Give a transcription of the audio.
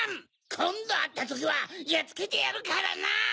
こんどあったときはやっつけてやるからな！